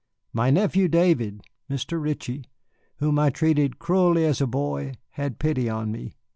My nephew David Mr. Ritchie whom I treated cruelly as a boy, had pity on me.